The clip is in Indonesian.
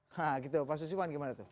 nah gitu pak susiwan gimana tuh